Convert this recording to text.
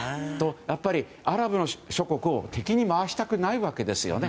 やっぱりアラブの諸国を敵に回したくないわけですよね。